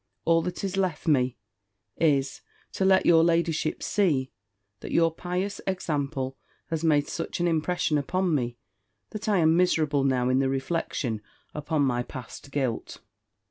All that is left me, is, to let your ladyship see, that your pious example has made such an impression upon me, that I am miserable now in the reflection upon my past guilt.